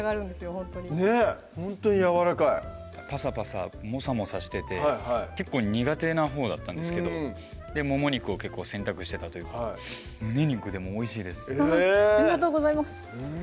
ほんとにねっほんとにやわらかいパサパサモサモサしてて結構苦手なほうだったんですけどでもも肉を選択してたというか胸肉でもおいしいですありがとうございます